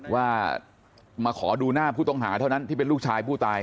ว่ามาขอดูหน้าผู้ต้องหาเท่านั้นที่เป็นลูกชายผู้ตาย